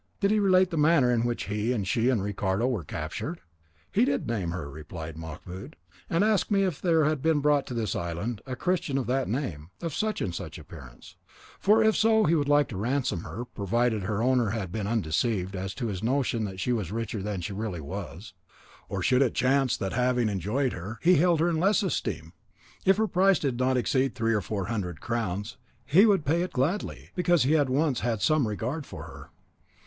Did he relate the manner in which he and she and Ricardo were captured?" "He did name her," replied Mahmoud, "and asked me if there had been brought to this island a Christian of that name, of such and such appearance; for if so he should like to ransom her, provided her owner had been undeceived as to his notion that she was richer than she really was, or should it chance that having enjoyed her, he held her in less esteem. If her price did not exceed three or four hundred crowns, he would pay it gladly, because he had once had some regard for her."